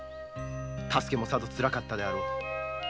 多助もさぞつらかったであろう。